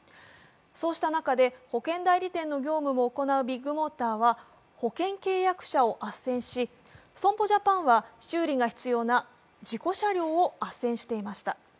そうした中で、保険代理店の業務も行うビッグモーターは保険契約者をあっせんし、損保ジャパンは修理が必要な事故車両をあっせんしていました。